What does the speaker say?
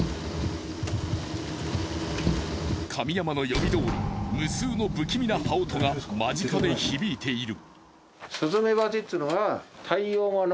神山の読みどおり無数の不気味な羽音が間近で響いている。